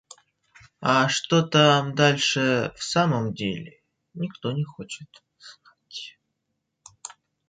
А что там дальше в самом деле, никто не хочет знать.